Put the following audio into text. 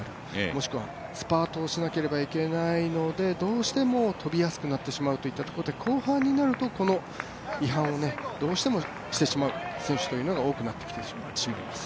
もしくはスパートしなければいけないのでどうしても飛びやすくなってしまうというところなので後半になると違反をどうしてもしてしまう選手というのが多くなってしまいます。